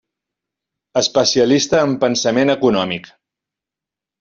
Especialista en pensament econòmic.